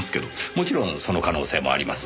もちろんその可能性もあります。